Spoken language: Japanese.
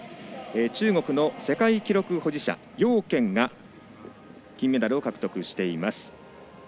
中国の世界記録保持者の姚娟が金メダルを獲得しています。